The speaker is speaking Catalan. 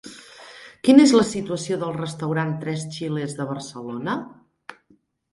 Quina és la situació del restaurant Tres Chiles de Barcelona?